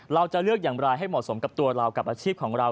เราจะเลือกอย่างไรให้เหมาะสมกับตัวเรากับอาชีพของเรา